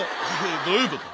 どういうこと？